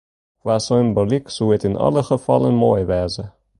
Kwa symboalyk soe it yn alle gefallen moai wêze.